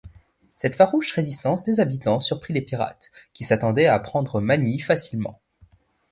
Cette farouche résistance des habitants surprit les pirates, qui s'attendaient à prendre Manille facilement.